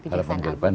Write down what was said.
harapan ke depan